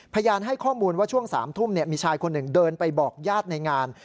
พยานให้ข้อมูลว่าช่วง๓ทุ่มมีชายคนหนึ่งเดินไปบอกญาติในงาน